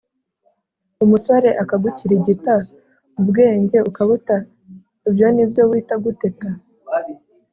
umusore akagukirigita ubwenge ukabuta ibyo nibyo wita guteta?